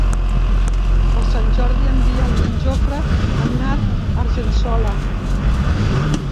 Per Sant Jordi en Biel i en Jofre aniran a Argençola.